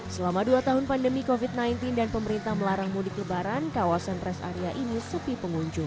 selama dua tahun pandemi covid sembilan belas dan pemerintah melarang mudik lebaran kawasan rest area ini sepi pengunjung